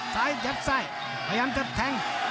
ซ้ายเจ็บใสพยายามเติบแทง